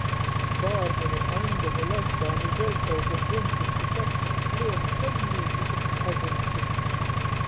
Bārnu nu Aņdeņu, Lazdānu, Zeļtovkys, Duncišku, Peršaku, Pluoņu, Salinīku ir kazyn cik.